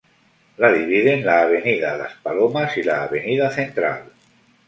La dividen la Avenida Las Palomas y la Avenida Central.